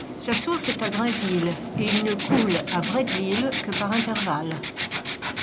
Sa source est à Grainville et il ne coule à Bretteville que par intervalles.